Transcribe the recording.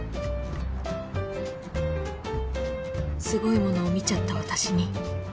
［すごいものを見ちゃった私に］